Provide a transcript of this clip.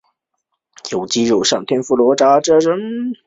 由鸡肉上天妇罗油炸而成。